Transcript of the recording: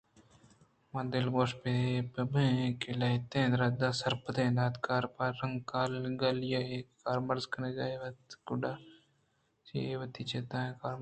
ما دلگوش بِہ بَہ ایں کہ لھتیں رَد ءُ ناسرپدیں ندکار پہ رنگ گالی ءَ "ایں" کارمرز کنگ ءَ اَنت گُڑا آ پکّ رَد انت چی ءَ کہ "ایں" ءِ وتی جُتائیں کارمرزی یے۔